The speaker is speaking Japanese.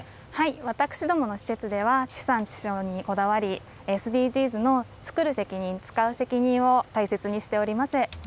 私どもの施設では地産地消にこだわり、ＳＤＧｓのつくる責任つかう責任を大切にしております。